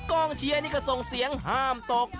กองเชียร์นี่ก็ส่งเสียงห้ามตก